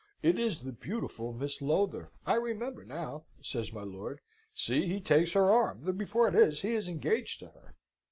"It is the beautiful Miss Lowther. I remember now," says my lord. "See! he takes her arm! The report is, he is engaged to her."